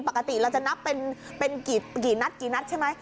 ปกติเราจะนับเป็นกี่นัทใช่ไหม